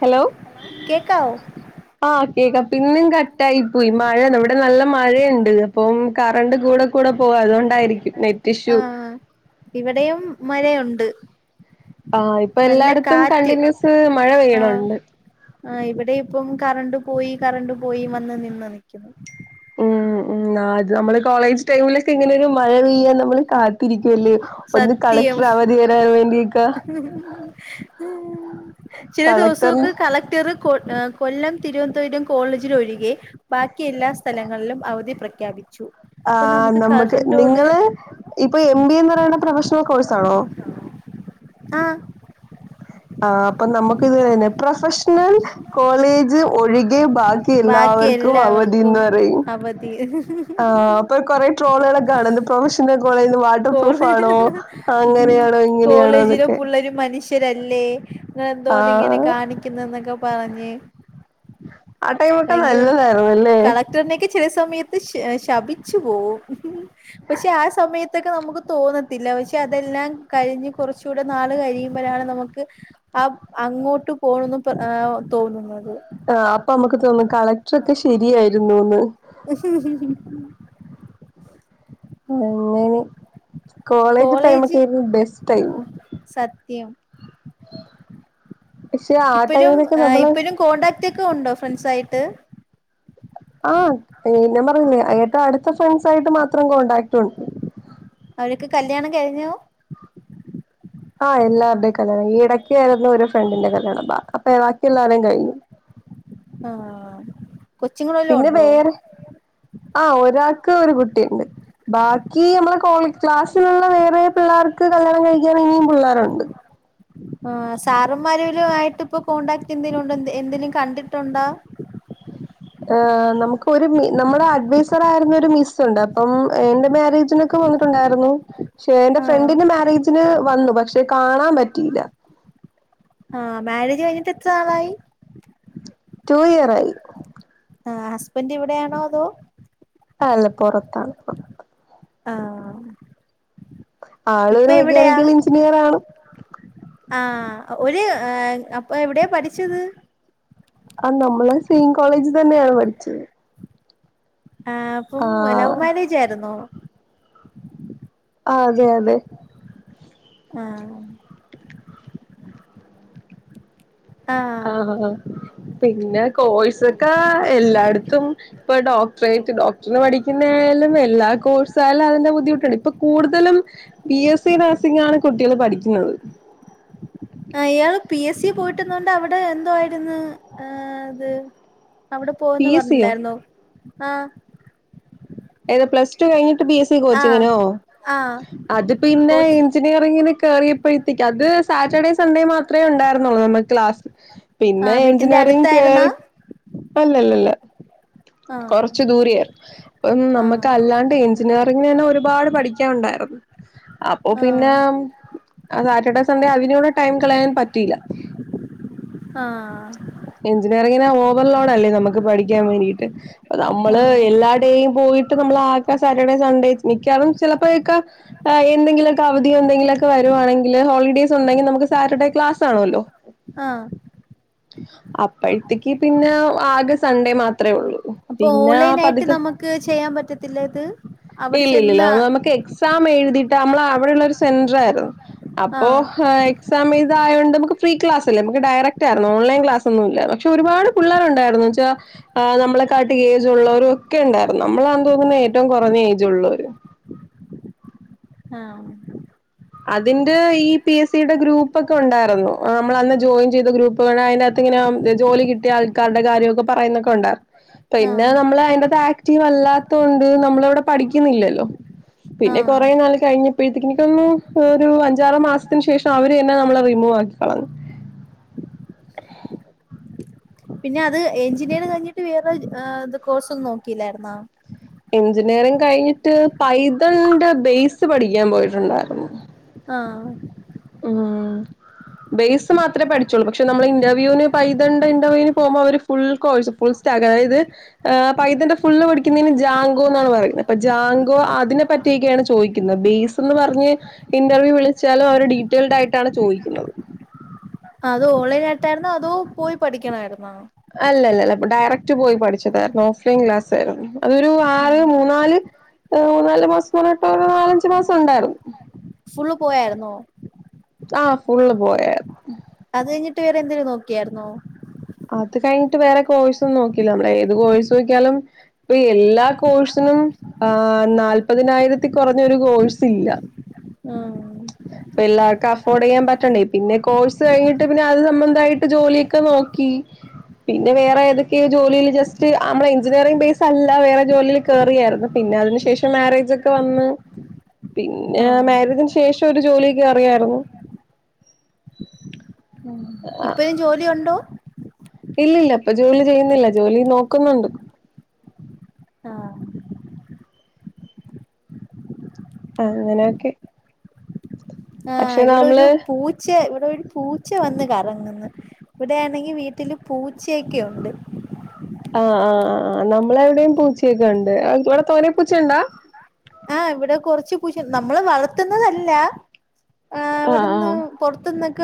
Hello? കേക്കാവോ? ആഹ് കേക്കാ പിന്നും കട്ടായി പോയി മഴ വിടെ നല്ല മഴണ്ട്. പ്പം കറണ്ട് കൂടെ കൂടെ പോക അതോണ്ടായിരിക്കും. ആഹ് ഇവിടെയും മഴയുണ്ട്. ആ ഇപ്പൊ നല്ല എല്ലായിടത്തും കാറ്റ് കണ്ടിന്യൂസ് മഴ പെയ്യ്ണ് ണ്ട്. ആ ഇവിടെപ്പം കറണ്ട് പോയി കറണ്ട് പോയി വന്ന് നിന്ന് നിക്കുന്നു. ഉം ഉം ആത് നമ്മള് കോളേജ് ടൈമിലൊക്കിങ്ങനൊരു മഴ പെയ്യാൻ. നമ്മള് കാത്തിരിക്കുവല്ലേ? ഒന്ന് കളക്ടർ അവധി തരാൻ വേണ്ടി ക. ചെല കളക്ടറിന് ദിവസോക്കെ കളക്ടർ കൊ കൊല്ലം, തിരുവന്തപുരം, കോളേജിനൊഴികെ. ബാക്കി എല്ലാ സ്ഥലങ്ങളിലും അവധി പ്രഖ്യാപിച്ചു. ആ അപ്പൊ നമുക്ക് നമ്മക്ക് കളക്ടറിന്റോട് നിങ്ങള് ഇപ്പൊ എം ബി എ ന്ന് പറയ്ണെ പ്രൊഫഷണൽ കോഴ്സാണോ? ആഹ് ആഹ് പ്പം നമ്മക്കിത് തന്നെ പ്രൊഫഷണൽ കോളേജ് ഒഴി കെ ബാക്കി ബാക്കി എല്ലാവർക്കും എല്ലാവർക്കും അവധിന്ന് പറയും അവധി ആഹ് പ്പൊ കൊറെ ട്രോളളൊകാണ് പ്രൊഫഷണൽ കോളേജ് വാട്ടർ കോള് പ്രൂഫാണോ അങ്ങനെയാണോ ഇങ്ങനെയാണോ ന്നൊക്കെ രു മനുഷ്യരല്ലേ ങ്ങളെന്തോണ്ട് ഇങ്ങനെ കാണിക്കുന്നെ ന്നൊക്കെ പറഞ്ഞ് ആ ടൈമൊക്കെ ഭയങ്കര നല്ലതായിരുന്നല്ലേ കളക്ടറിനൊക്കെ ചെല സമയത്ത് ശ ശപിച്ചു പോവും പക്ഷെ ആഹ് സമയത്തൊക്കെ നമുക്ക് തോന്നത്തില്ല പക്ഷെ അതെല്ലാം കഴിഞ്ഞ് കൊർചു ടെ നാള് കഴിയുമ്പഴാണ് നമുക്ക് ആഹ് അങ്ങോട്ട് പോണം ന്ന് പെ ഏഹ് തോന്നുന്നത് ആഹ് അപ്പ മ്മക്ക് തോന്നും കളക്ടറൊക്കെ ശെരിയായിരുന്നുന്ന് അങ്ങനെ കോളേജ് ടൈമൊക്കെയിരുന്നു ബെസ്റ്റ് ടൈം സത്യം പക്ഷെ ആ ഇപ്പഴും ടൈമിലൊക്കെ എഹ് നമ്മള് ഇപ്പഴും കോൺടാക്ട് ഒക്കെ ഉണ്ടോ ഫ്രണ്ട്സ് ആയിട്ട് ആഹ് പിന്നെ പറഞ്ഞില്ലേ അടുത്ത ഫ്രണ്ട്സ് ആയിട്ട് മാത്രം കോൺടാക്ട് ഉണ്ട് അവരൊക്കെ കല്യാണം കഴിഞ്ഞു ആഹ് എല്ലരുടെയും കല്യാണം ഈ ഇടയ്ക്കയിരുന്ന ഒരു ഫ്രണ്ടിന്റെ കല്യാണ് അപ്പ ബാക്കിയുള്ളാളേം കഴിഞ്ഞു ആഹ് കൊച്ചുങ്ങളെല്ലോ പിന്നെ ഉണ്ടോ വേറെ ആഹ് ഒരാൾക്ക് ഒരു കുട്ടിണ്ട് ബാക്കി നമ്മളെ കോ ക്ലാസ്സിലുള്ള വേറെ പിള്ളേർക്ക് കല്യാണം കഴിക്കാൻ ഇനിയും പിള്ളേരുണ്ട് ആഹ് സാറന്മാരലും ആയിട്ട് ഇപ്പൊ കോൺണ്ടാക്ട് എന്തേലുംണ്ടോ എന്തേലും കണ്ടിട്ടുണ്ടോ ഏഹ് നമുക്ക് ഒരു മി നമ്മുടെ അഡ്വൈസർ ആയിരുന്ന ഒരു മിസുണ്ട് അപ്പം എന്റെ മാരേജിനെ ക്കെ വന്നിട്ടുണ്ടായിർന്നു പക്ഷെ എന്റെ ആഹ് ഫ്രണ്ടിന്റെ മാരേജിന് വന്നു പക്ഷെ കാണാൻ പറ്റിയില്ല ആഹ് മാരേജ് കഴിഞ്ഞിട്ട് എത്ര നാളായി റ്റൂ ഇയർ ആയി ആഹ് ഹസ്ബന്റ് ഇവിടെയാണോ അതോ ആല്ലെ പൊറത്താണ്പ്പം ആഹ് ആള് ഒരു ഇപ്പൊ എവിടെയാ മെക്കാനിക്കൽ എഞ്ചിനീയർ ആണ് ആഹ് ഒരു അപ്പൊ എവിടെയാ പഠിച്ചത് ആഹ് നമ്മള് സെയിം കോളേജ് തന്നെയാണ് പഠിച്ചത് ആഹ് അപ്പം ലൗ ആഹ് മാരേജ് ആയിരുന്നോ ആഹ് അതെ അതെ ആഹ് ആഹ് ആഹ് ആഹ് പിന്നെ കോഴ് സൊക്കെ എല്ലായിടത്തും ഇപ്പൊ ഡോക് ട്ട്രെറ്റ് ഡോക്ടറിന് പഠിക്കുന്നേലും എല്ലാ കോഴ്സാലും അതിന്റെ ബുദ്ധിമുട്ടുണ്ട് ഇപ്പൊ കൂടുതലും ബി എസ് സി നഴ്സിംങ്ങാണ് കുട്ടികള് പഠിക്കുന്നത് ആഹ് ഇയാള് പി എസ് സി പോയിട്ട്ന്നോണ്ട് അവിടെ എന്തോ ആയിരുന്നു ആഹ് ത് അവിടെ ബി പോവുംന്ന് എസ് സിയോ പറഞ്ഞില്ലായിരുന്നോ ആഹ് ഏത് പ്ലസ് ടു കഴിഞ്ഞിട്ട് ബി എസ് സി ആഹ് കോച്ചിങ്ങിനോ ആഹ് അത് പിന്നെ കോച്ചി ഇഞ്ച നിയറിങ്ങിന് കയറിയപ്പോഴത്തേക്കും അത് സാറ്റർഡേ സൺഡേ മാത്രേ ഉണ്ടായിർന്നുള്ളൂ നമ്മുക്ക് ക്ലാസ് ആ പിന്നെ വീട്ടിന്റെ എഞ്ചിനീയറിങ് അടുത്തായിരുന്നാ കേറി അല്ലല്ലല്ല ആഹ് കുറച്ചു ദൂരെയായിർന്നു അപ്പം നമുക്ക് ആഹ് അല്ലാണ്ട് എഞ്ചിനീയറിങ്ങന് തന്നെ ഒരുപാട് പഠിക്കാൻണ്ടായിരുന്നു അപ്പൊ പിന്നെ ആഹ് ആഹ് സാറ്റർഡേ സൺഡേ അവിനൂടെ ടൈം കളയാൻ പറ്റിയില്ല ആഹ് എഞ്ചിനീയറിങ്ങിന് ഓവർ ലോഡ് അല്ലേ നമുക്ക് പഠിക്കാൻ വേണ്ടിട്ട് അ നമ്മള് ആഹ് എല്ലാ ടൈ പോയിട്ട് നമ്മൾ ആക്ക സാറ്റർഡേ സൺഡേ നിക്കാവും ചിലപ്പോക്കെ എന്തെങ്കിലൊക്കെ അവധിയോ എന്തെങ്കിലൊക്കെ വരുവാണെങ്കില് ഹോളിഡേസ് ഉണ്ടെങ്കിൽ നമുക്ക് സാറ്റർഡേ ക്ലാസ് കാണുവല്ലോ ആഹ് അപ്പോഴത്തേക്ക് പിന്നെ ആകെ സൺഡേ മാത്ര ഉള്ളൂ അപ്പൊ പിന്നെ ഓൺലൈൻ ആയിട്ട് പതുക്കെ നമുക്ക് ചെയ്യാൻ പറ്റത്തില്ല ഇത് അവിടെ ചെന്ന് ക്സാം എഴുതിട്ട് നമ്മൾ അവിടെള്ള ഒരു സെന്റർ ആയിരുന്നു അപ്പോ ആഹ് ക്ക് സാമീസായതോണ്ട് നമുക്ക് ഫീക്ലാസ്ല്ല നമക്ക് ഡയറക്റ്റ് ആയി ഓൺലൈൻ ക്ലാസന്നുല്ല പക്ഷെ ഒരുപാട് പുള്ളേരുണ്ടായിരുന്നു വെച്ചാ നമ്മള കാട്ടി ഏജ് ഉള്ളവരും ഒക്കെ ണ്ടായിരുന്നു നമ്മളാെന്ന് തോന്നുന്നത് ഏറ്റവും കുറഞ്ഞ ഏജ് ഉള്ളവര് ആഹ് അതിന്റെ ഈ പി എസ് സിയുടെ ഗ്രൂപ്പ ഒക്കെ ഉണ്ടായിരുന്നു നമ്മൾ അന്ന് ജോയിൻ ചെയ്ത ഗ്രൂപ്പ് അയിന്റെ ക ത്തിങ്ങനെ ജോലി കിട്ടിയ ആൾക്കാരുടെ കാര്യക്കെ പറയുന്നൊക്കെണ്ടാർന്നു പിന്നെ ആഹ് നമ്മള് അയിന്റെത് ആക്റ്റീവ് അല്ലാത്തോണ്ട് നമ്മള ഇവിടെ പഠിക്കുന്നില്ലല്ലോ പിന്നെ ആഹ് കുറേ നാൾ കഴിഞ്ഞപ്പോഴേ എനിക്കൊന്നു ഒരു അഞ്ചാറ് മാസത്തിന് ശേഷം അവര് തന്നെ നമ്മള് റിമൂവ് ആക്കി കളഞ്ഞു പിന്നെ അത് എഞ്ചിനീയർ കഴിഞ്ഞിട്ട് വേറൊരു കോഴ്സ് ഒന്നും നോക്കിയില്ലായിരുന്നോ എഞ്ചിനീയറിംങ്ങ് കഴിഞ്ഞിട്ട് പൈതലിന്റെ ബേസ് പഠിക്കാൻ പോയിട്ടുണ്ടായിരുന്നു ആഹ് ഉം ബേസ് മാത്രേ പഠിച്ചോള്ളൂ പക്ഷെ നമ്മൾ ഇന്റർവ്യൂന് പൈതണ്ട ഇന്റർവ്യൂവിന് പോകുമ്പോ അവര് ഫുൾ കോഴ്സ് ഫുൾ സ്റ്റാഗ് അതായത് പൈതന്റെ ഫുള് പടിക്കുന്നതിന് ജാങ്കോ എന്നാണ് പറയുന്നത്ജാങ്കോ അതിനെ പറ്റി ചോദിക്കുന്നത് ബേസ് എന്ന് പറഞ്ഞ് ഇന്റർവ്യൂ വിളിച്ചാലും അവര് ഡീറ്റെയിൽഡ് ആയിട്ടാണ് ചോയിക്കുന്നത് അതോ ഓൺലൈൻ ആയിട്ടായിരുന്നോ അതോ പോയി പഠിക്കണായിരുന്നോ അല്ലല്ല ഇപ്പ ഡയറക്ട് പോയി പഠിച്ചതായിരുന്നു ഓഫ്‌ലൈൻ ക്ലാസ് ആയിരുന്നു ക്ലാസയിരുന്നു അതൊരു ആറ് മൂന്നാല് ഏ മൂനാല് മാസം പറഞ്ഞിട്ടോ നാലഞ്ചു മാസം ഉണ്ടായിരുന്നു ഫുള്ള് പോയാന്നോ ആഹ് ഫുൾ പോയരുന്നു അത് കഴിഞ്ഞിട്ട് വറെന്തേില നോക്കിയാരുന്നോ അത് കഴിഞ്ഞിട്ട് വേറെ കോഴ്സ ഒന്നും നോക്കില്ല നമ്മൾ ഏത് കോഴ്സ് നോക്കിയാലും ഇപ്പൊ എല്ലാ കോഴ്സിനും ആ നാല്പതിനായിരത്തി കുറഞ്ഞൊരു കോഴ്സ് ഇല്ല ആഹ് ഇപ്പൊ എല്ലാർക്കും അഫോർഡ്യ്യാൻ പറ്റണ്ടേ പിന്നെ കോഴ്സ് കഴിഞ്ഞിട്ട് പിന്നെ അത് സംബന്ധമായിട്ട് ജോലിയൊക്കെ നോക്കി പിന്നെ വേറെ ഏതൊക്കെയ ജോലിയില് ജസ്റ്റ് നമ്മള എഞ്ചിനീയറിംഗ ബേസ് അല്ല വേറെ ജോലിൽ കേയറിയായിരുന്നു പിന്നെ അതിന് ശേഷം മാരേജ് ഒക്കെ വന്ന് പിന്നെ ആഹ് മാരേജന് ശേഷം ഒരു ജോലിക്ക് അറിയായിരുന്നു ഇപ്പഴും ജോലി ഒണ്ടോ ഇല്ലല്ല ഇപ്പൊ ജോലി ചെയ്യുന്നില്ല ജോലി നോക്കുന്നുണ്ട് ആഹ് ആ അങ്ങനെയൊക്കെ ആ പക്ഷെ ഇവിടെ ഒരു നമ്മള് പൂ ചെ ഇവിടെ ഒരു പൂച്ച വന്ന് കറങ്ങുന്നു ഇവിടെയാണെങ്കി വീട്ടില് പൂച്ചയൊക്കെ ഉണ്ട് ആഹ് ആ ഹ് നമ്മള എവിടെയും പൂച്ചയൊക്കെ ഉണ്ട് ഇവിടെ തോന്നെ പൂച്ചയുണ്ടാ ആഹ് ഇവിടെ കുറച്ച് പൂച്ച നമ്മള് വളർത്തുന്നതല്ല ആ ആഹ് അവിടുന്ന് പുറത്ത് നിന്നൊക്ക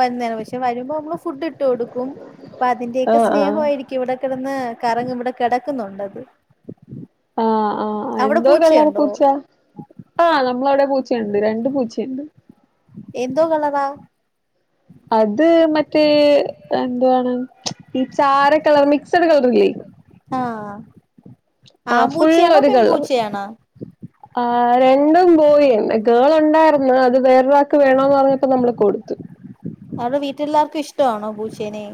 വരുന്നയാണ് പക്ഷെ വരുമ്പോൾ നമ്മള് ഫുഡ് ഇട്ട് കൊടുക്കും അപ്പൊ അതിന്റെയൊക്കെ ആഹ് ആഹ് സ്നേഹയിരിക്കും ഇവിടെ കിടന്ന് കറങ് ഇവിടെ കിടക്കുന്നുണ്ട് അത് ആഹ് ആഹ് ആ എന്തോ കളർ പൂച്ചയുണ്ടോ പൂച്ച ആഹനമ്മള അവിടെ പൂച്ചയുണ്ട് രണ്ട് പൂച്ചയുണ്ട് എന്തോ കളറാ അത് മറ്റേ എന്താ ണ് ഈ ചാര കളർ മിക്സഡ് കളർല്ലേ ആഹ് ആഹ് ഫുൾ ആമ്പൂപൂച്ചയാണോ പെൺ പു ച്ചയാണോ ആ രണ്ടുംബോയ് തന്നെ ഗേൾ ഉണ്ടായിരുന്നു അത് വേറൊരാൾക്ക് വേണന്ന് പറഞ്ഞപ്പോ നമ്മള് കൊടുത്തു അത് വീട്ടിലെല്ലാർക്കും ഇഷ്ടണോ പൂച്ചേനെ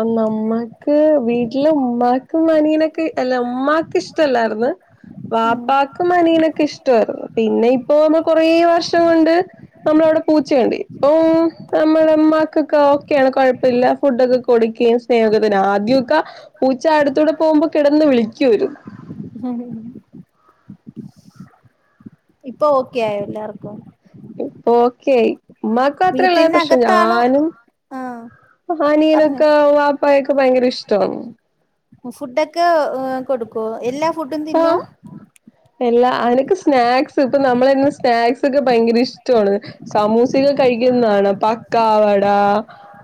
അന്ന് അമ്മക്ക് വീട്ടിൽ ഉമ്മാക്ക്അനിയൻനൊക്കെ അല്ല ഉമ്മാക്ക് ഇഷ്ടമല്ലായിരുന്ന് വാ ഉം പ്പകും അനീയനൊക്കെ ഇഷ്ടമായിരുന്നു പിന്നെ ഇപ്പോ നമ്മ കൊറേ വർഷം കൊണ്ട് നമ്മളവിടെ പൂച്ചണ്ട് പ്പ നമ്മുടെ മ്മക്കൊക്കെ ഓക്കെയാണ് കുഴപ്പല്ല ഫുഡൊക്കെ കൊടുക്കുകയും സ്നേഹത്തിന് ആദ്യക്കെ പൂച്ച അടുത്തൂടെ പോകുമ്പോ കിടന്ന് വിളിക്ക രുന്നു [inaudible] ഇപ്പൊ ഓക്കെ ആയോ എല്ലാർക്കും ഇപ്പ ഓക്കെയായി ഉമ്മാക് മാത്രെല്ല് പക്ഷെ വീട്ടിനകത്താണോ ഞാനും ആഹ് പറഞ്ഞോ അനിയനൊക്കെ വാ പയൊക്കെ ഭയങ്കര ഇഷ്ടാവും ഫുഡൊക്കെ കൊടുക്കോ എല്ലാ ഫുഡും തിന്നോ ആഹ് എല്ലാ അനക്ക് സ്നാക്സ് ഇപ്പൊ നമ്മള ന്ന് സ്നാക്സ് ഒക്കെ ഭയങ്കര ഇഷ്ടമാണ് സാമൂസക്കോ കഴിക്കുന്ന കാണാം പക്കാവട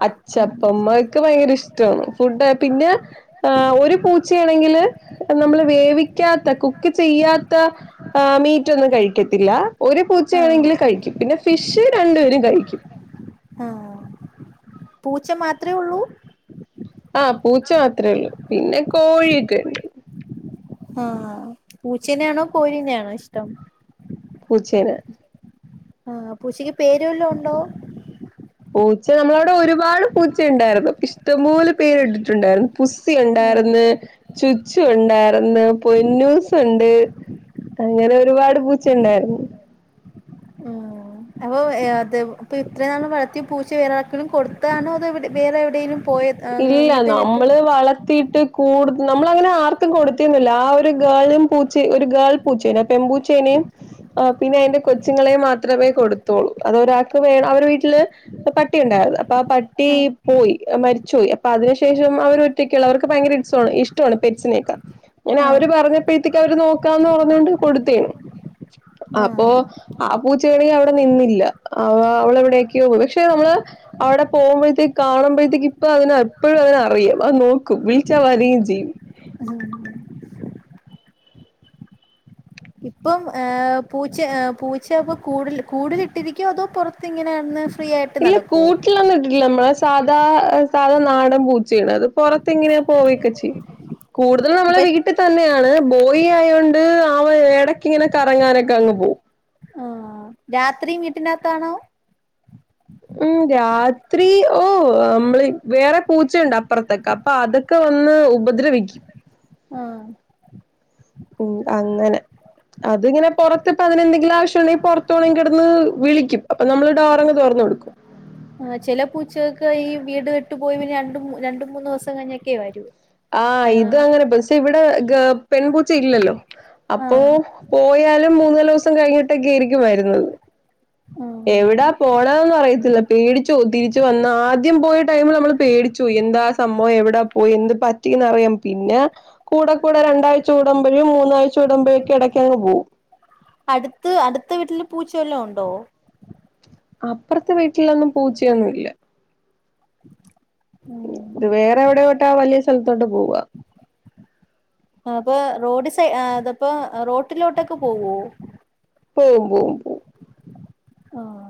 അച്ചപ്പം അതൊക്കെ ഭയങ്കര ഇഷ്ടമാണ് ഫുഡ് പിന്നെ ആ ഒരു പൂച്ചയാണെങ്കില് നമ്മള് വേവിക്കാത്ത കുക്ക് ചെയ്യാത്ത ആ മീറ്റൊന്നും കഴിക്കത്തില്ല ഒരു ആഹ് പൂച്ചയാണെങ്കിൽ കഴിക്കും പിന്നെ ഫിഷ് രണ്ടുപേരും കഴിക്കും ആഹ് പൂച്ച മാത്രമേ ഉള്ളൂ ആഹ് പൂച്ച മാത്രേ ഉള്ളൂ പിന്നെ കോഴിയോക്കെ ഉണ്ട് ആഹ് പൂച്ചേനെയാണോ കോഴിനെയാണോ ഇഷ്ടം പൂച്ചേനെ ആഹ് പൂച്ചക്ക് പേരു വല്ലോം ഉണ്ടോ? പൂച്ച നമ്മളവിടെ ഒരുപാട് പൂച്ച ഉണ്ടായിരുന്നു ഇഷ്ടംപോലെ പേര്ട്ടിട്ടുണ്ടായിരുന്നു പുസ്സി ആഹ് ഉണ്ടായിരുന്ന് ചുച്ചു ഉണ്ടായിരുന്ന് പൊന്നൂസ്ണ്ട് അങ്ങനെ ഒരുപാട് പൂച്ച ഉണ്ടായിരുന്നു ആഹ് അപ്പ അത് ഇപ്പൊ ഇത്രയും നാള് വളർത്തിയ പൂച്ച വേറെ ആർക്കങ്കിലും കൊടുത്തതാണോ അതെവിടെ വേറെ എവിടെയേലും ഇല്ല നമ്മള് വളർ ത്തിട്ട് കൂടു നമ്മളങ്ങനെ ആർക്കും കൊടുത്തിരുന്നില്ല ആ ഒരു ഗേളും പൂച്ചി ഒരു ഗേൾ മ്പൂച്ചേന പെംമ്പൂച്ചേന് ആ പിന്നെ അതിന്റെ കൊച്ചുങ്ങളെ മാത്രമേ കൊടുത്തോുള്ളൂ അത് ഒരാൾക്ക് അവര് വീട്ടില് പട്ടി ഉണ്ടായിരുന്നു അപ്പൊ ആ പട്ടി ആഹ് പോയി മ- മരിചോയ് അപ്പൊ അതിനുശേഷം അവർ ഒറ്റയ്ക്കെയുള്ളൂ അവർക്ക് ഭയങ്കര ഇസ്മാണ് ഇഷ്ടമാണ് പെറ്റ്സിനെയൊക്കെ ഞാൻ അവര് ആഹ് പറഞ്ഞപ്പോഴത്തേക്ക് അവര് നോക്കാന്ന് പറഞ്ഞൊണ്ട് കൊടുത്തേണ് അപ്പൊ ആഹ് ആ പൂചെണെങ്കി അവിടെ നിന്നില്ല അവ അവളെവിടെക്കോ പോയി പക്ഷെ നമ്മള് അവിടെ പോകുമ്പോഴത്തേക്ക് കാണുമ്പോഴത്തേക്ക് അപ്പൊ അതിനെപ്പോഴും അതിന് അറിയാം അത് നോക്കും വിളിച്ചാൽ വരികയും ചെയ്യും [inaudible] ഇപ്പം പൂച്ച പൂച്ച അപ്പ കൂട്ടിൽ കൂടുലിട്ടിരിക്കോ അതോ പുറത്ത് ഇങ്ങനെ നടന്ന് ഇല്ല കൂട്ടിലൊന്ന് ഇട്ടിട്ടില്ല നമ്മള സാധാ സാധാ നാടൻ പൂച്ചയാണ് അത് പുറത്ത് ഇങ്ങനെ പോകുകക്കൊ ചെയ്യും കൂടുതൽ നമ്മളേ അപ്പൊ വീട്ടി- തന്നെയാണ് ബോയി ആയൊണ്ട് അവൻ എടക്ങ്ങനെ കറങ്ങാനൊക്കെ അങ്ങ് പോവും ആഹ രാത്രിയും വീട്ടിനകത്താണോ ഉം രാത്രി ഓ നമ്മള് വേറെ പൂച്ചണ്ട് അപ്പുറത്തൊക്കെ അപ്പൊ അതൊക്കെ വന്ന് ഉപദ്രവിക്കും ആഹ ഉം അങ്ങനെ അതിങ്ങനെ പുറത്ത് ഇപ്പോൾ അതിനെന്തെങ്കിലും ആശ്യമുണ്ടെങ്കിൽ പുറത്തുണെങ്ക കിടന്ന് വിളിക്കും അപ്പ നമ്മൾ ഡോറങ് തോറന്ന് കൊടുക്കും ആഹ ചില പൂച്ചകൾക്ക് ഈ വീട് വിട്ടു പോയി പിന്നെ രണ്ട് രണ്ട് മൂന്ന് ദിവസം കഴിഞ്ഞൊക്കേ വരൂ ആഹ് ഇത് അങ്ങനെ പക്ഷെ ഇവിടെ ഗ പെൺ പൂച്ച ഇല്ലല്ലോ അപ്പൊ ആഹ് പോയാലും മൂന്നാല് ദിവസം കഴിഞ്ഞിട്ടൊക്കെ ആയിരിക്കും വരുന്നത് എവിടാ ആഹ് പോണതന്ന് അറിയത്തില്ല പേടിച്ചുപോവും തിരിച്ചു വന്ന ആദ്യം പോയ ടൈമിൽ നമ്മൾ പേടിച്ചോയി എന്താ സംഭവം എവിടാ പോയി എന്ത് പറ്റിന്ന് അറിയാൻ പിന്നെ കൂടെ കൂടെ രണ്ടാഴ്ച കൂടുമ്പോഴും മൂന്നാഴ്ച കൂടുമ്പഴും ഒക്ക ഇടക്കക്ക്ങ് പോകും അടുത്ത് അടുത്ത വീട്ടില് പൂച്ച വല്ലാം ഉണ്ടോ അപ്പുറത്തെ വീട്ടിലൊന്നും പൂച്ചയൊന്നും ഇല്ല ഉം ഇത് വേറെ എവിടെയോട്ട് ആ വലിയ സ്ഥലത്തോട്ട് പോവുക അപ്പൊ റോഡ് സൈ അതപ്പോ റോട്ടിലോട്ടൊക്കെ പോവോ പോവും പോവും ആഹ്